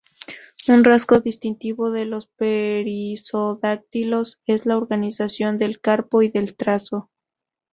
Un rasgo distintivo de los perisodáctilos es la organización del carpo y del tarso.